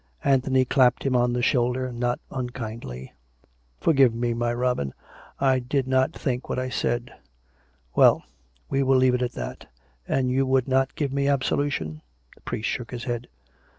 Anthony clapped him on the shoulder, not unkindly. " Forgive me, my Robin. I did not think what I said. Well ; we will leave it at that. And you would not give me absolution ?" The priest shook his head.